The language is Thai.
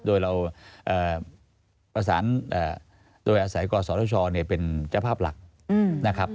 โดยเราประสานโดยอาศัยกศชเป็นเจ้าภาพหลักนะครับ